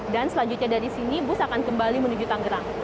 dan selanjutnya dari sini bus akan kembali menuju tangerang